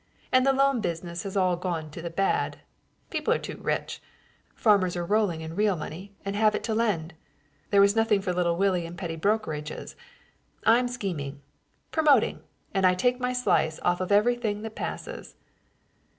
And the loan business has all gone to the bad, people are too rich; farmers are rolling in real money and have it to lend. There was nothing for little Willie in petty brokerages. I'm scheming promoting and I take my slice off of everything that passes."